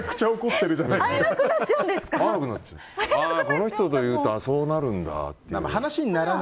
この人といるとそうなるんだって。